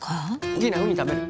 キイナウニ食べる？